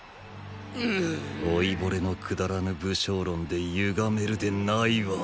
老いぼれの下らぬ武将論で歪めるでないわ。